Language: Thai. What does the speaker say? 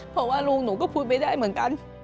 เพราะว่าลุงหนูก็พูดไม่ได้เหมือนกัน